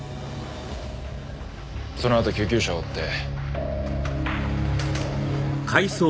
そのあと救急車を追って。